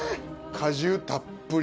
果汁たっぷり！